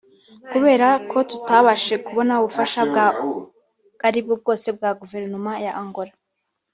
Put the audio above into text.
Kubera ko tutabashije kubona ubufasha ubwo aribwo bwose bwa guverinoma ya Angola